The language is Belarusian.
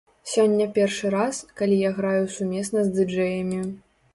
Сёння першы раз, калі я граю сумесна з ды-джэямі.